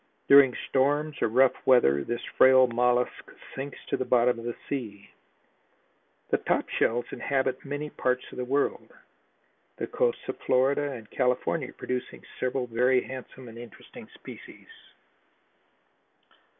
During storms or rough weather this frail mollusk sinks to the bottom of the sea. The top shells inhabit many parts of the world, the coasts of Florida and California producing several very handsome and interesting species.